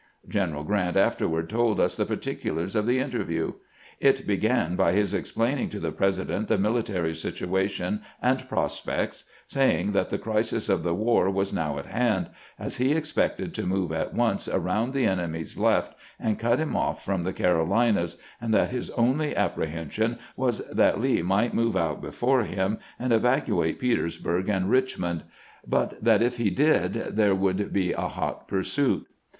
General Grant afterward told us the particulars of the interview. It began by his explaining to the President the miUtary situation and prospects, saying that the crisis of the war was now at hand, as he ex pected to move at once around the enemy's left and cut him off from the CaroHnas, and that his only appre hension was that Lee might move out before him and evacuate Petersburg and Eichmond, but that if he did there would be a hot pursuit.